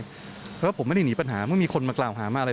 เพราะว่าผมไม่ได้หนีปัญหาเมื่อมีคนมากล่าวหามาอะไร